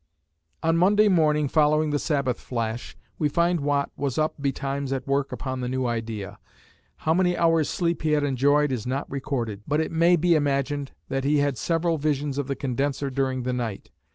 On Monday morning following the Sabbath flash, we find Watt was up betimes at work upon the new idea. How many hours' sleep he had enjoyed is not recorded, but it may be imagined that he had several visions of the condenser during the night.